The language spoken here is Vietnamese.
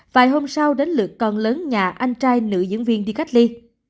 vài hôm sau đến lượt con lớn nhà anh trai nữ diễn viên đi cách ly